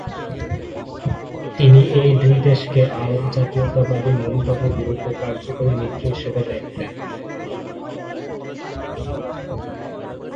তিনি এই দুই দেশকে আরব জাতীয়তাবাদী মনোভাবের বিরুদ্ধে কার্যকরী মিত্র হিসেবে দেখতেন।